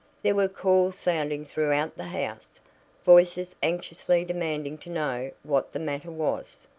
There were calls sounding throughout the house voices anxiously demanding to know what the matter was.